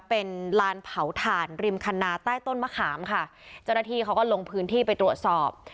เป็นลานเผาถ่านริมคันนาใต้ต้นมะขามค่ะเจ้าหน้าที่เขาก็ลงพื้นที่ไปตรวจสอบ